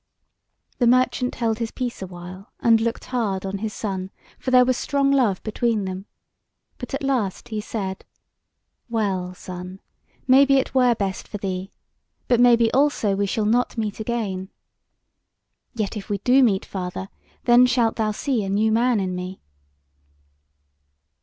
The merchant held his peace awhile, and looked hard on his son, for there was strong love between them; but at last he said: "Well, son, maybe it were best for thee; but maybe also we shall not meet again." "Yet if we do meet, father, then shalt thou see a new man in me."